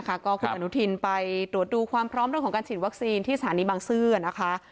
ก็คุณอนุทินไปตรวจดูความพร้อมเรื่องของการฉีดวัคซีนที่สถานีบังซื้อนะคะ